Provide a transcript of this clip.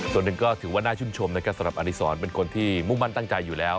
ส่วนหนึ่งก็ถือว่าน่าชื่นชมนะครับสำหรับอดีศรเป็นคนที่มุ่งมั่นตั้งใจอยู่แล้ว